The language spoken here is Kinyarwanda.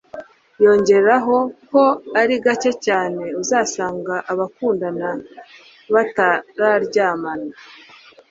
yongeraho ko ari gake cyane uzasanga abakundana batararyamana